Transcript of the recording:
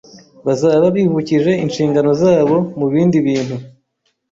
bazaba bivukije inshingano zabo mu bindi bintu